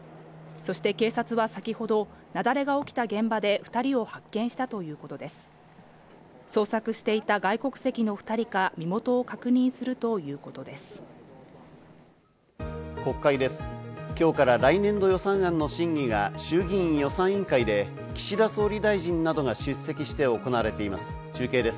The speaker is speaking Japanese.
そして警察は先ほど雪崩が起きた現場で２人を発見したということです。